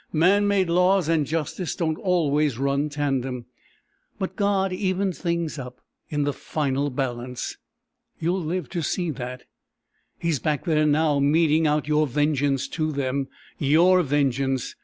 Man made laws and justice don't always run tandem. But God evens things up in the final balance. You'll live to see that. He's back there now, meting out your vengeance to them. Your vengeance.